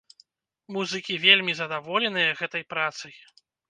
Музыкі вельмі задаволеныя гэтай працай.